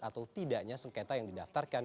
atau tidaknya sengketa yang didaftarkan